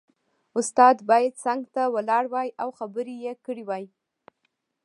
استاد باید څنګ ته ولاړ وای او خبرې یې کړې وای